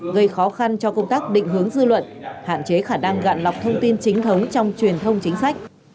gây khó khăn cho công tác định hướng dư luận hạn chế khả năng gạt lọc thông tin chính thống trong truyền thông chính sách